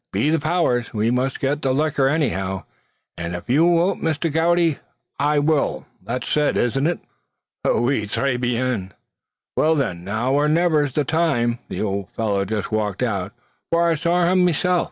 "Be the powers! we must get the licker anyhow; av you won't, Misther Gowdey, I will; that's said, isn't it?" "Oui! Tres bien!" "Well, thin, now or niver's the time. The ould fellow's just walked out, for I saw him meself.